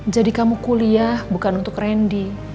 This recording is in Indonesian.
jadi kamu kuliah bukan untuk randy